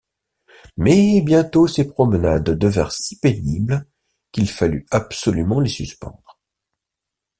Mais bientôt ces promenades devinrent si pénibles qu’il fallut absolument les suspendre.